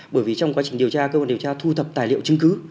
bởi vì trong quá trình điều tra cơ quan điều tra thu thập tài liệu chứng cứ